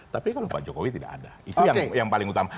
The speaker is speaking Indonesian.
tapi kalau pak jokowi tidak ada itu yang paling utama